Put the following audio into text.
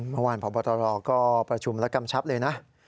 เมื่อวานพบอตรก็ประชุมและกำชับเลยนะ